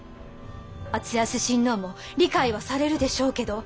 敦康親王も理解はされるでしょうけど。